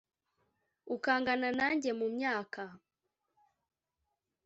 ukangana nanjye mu myaka